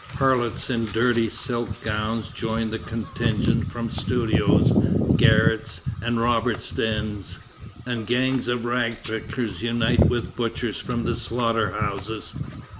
Harlots in dirty silk gowns join the contingent from studios, garrets, and robbers' dens, and gangs of ragpickers unite with butchers from the slaughter houses.